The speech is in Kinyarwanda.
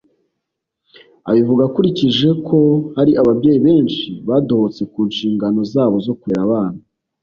Abivuga akurikije ko hari ababyeyi benshi badohotse ku nshingano zabo zo kurera abana